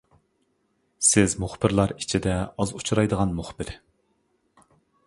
سىز مۇخبىرلار ئىچىدە ئاز ئۇچرايدىغان مۇخبىر.